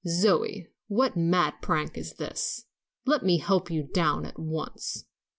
"Zoe, what mad prank is this? Let me help you down at once."